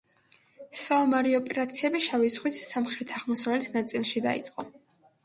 საომარი ოპერაციები შავი ზღვის სამხრეთ-აღმოსავლეთ ნაწილში დაიწყო.